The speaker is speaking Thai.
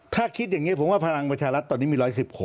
ถ้าคิดอย่างนี้ผมว่าพลังประชารัฐตอนนี้มี๑๑๖